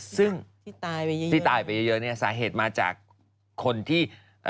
ซึ่งที่ตายไปเยอะสาเหตุมาจากคนที่